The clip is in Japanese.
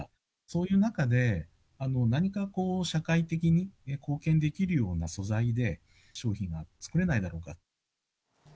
そういう中で、何かこう、社会的に貢献できるような素材で商品を作れないだろうかと。